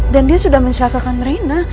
dan dia sudah mencelakakan reina